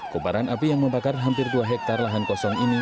kubaran api yang membakar hampir dua hektare lahan kosong ini